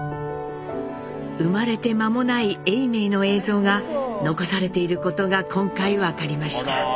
生まれて間もない永明の映像が残されていることが今回分かりました。